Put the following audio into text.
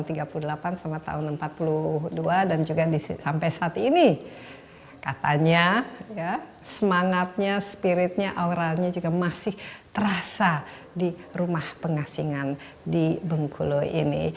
antara tahun tiga puluh delapan sama tahun empat puluh dua dan juga sampai saat ini katanya semangatnya spiritnya auranya juga masih terasa di rumah pengasingan di bung kulu ini